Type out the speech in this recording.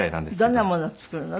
どんなものを作るの？